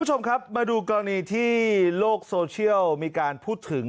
คุณผู้ชมครับมาดูกรณีที่โลกโซเชียลมีการพูดถึง